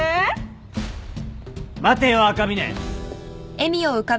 待てよ赤嶺。